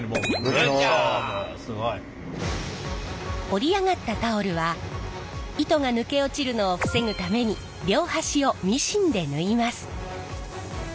織り上がったタオルは糸が抜け落ちるのを防ぐために両端をミシンで縫います。